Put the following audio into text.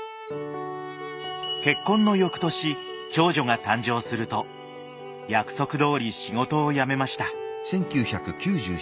結婚の翌年長女が誕生すると約束どおり仕事を辞めました